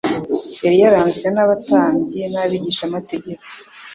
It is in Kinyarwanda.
Yari yaranzwe n’abatambyi n’abigishamategeko,